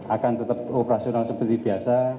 akan tetap operasional seperti biasa